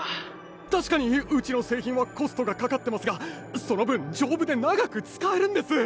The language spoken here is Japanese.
確かにうちの製品はコストがかかってますがその分丈夫で長く使えるんです！